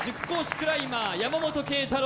クライマー山本桂太朗